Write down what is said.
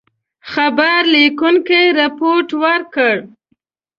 خبر لیکونکي رپوټ ورکړ.